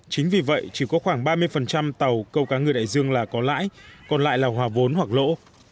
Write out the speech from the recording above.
chính vì vậy chỉ có khoảng ba mươi tàu câu cá ngừ đại dương là có lãi còn lại là hòa vốn hoặc lỗ